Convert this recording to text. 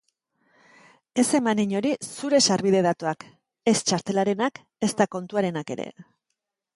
Ez eman inori zure sarbide-datuak, ez txartelarenak, ezta kontuarenak ere.